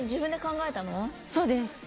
そうです。